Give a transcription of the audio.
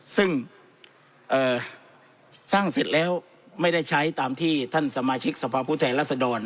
ซึ่งสร้างเสร็จแล้วไม่ได้ใช้ตามที่ท่านสมาชิกสภาพผู้แทนรัศดร